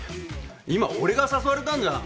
今俺が誘われたんじゃん。